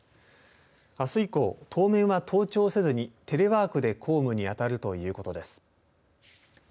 あす以降、当面は登庁せずにテレワークで公務にあたるということです。